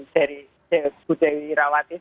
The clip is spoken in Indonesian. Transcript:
dari budewi rawatis